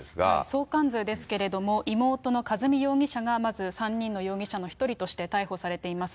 相関図ですけれども、妹の和美容疑者がまず３人の容疑者の１人として逮捕されています。